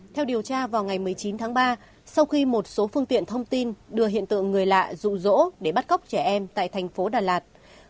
theo điều tra vào ngày một mươi chín tháng ba sau khi một số phương tiện thông tin đưa hiện tượng người lạ rụ rỗ để bắt cóc trẻ em tại thành phố đà lạt